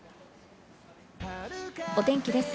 お天気です。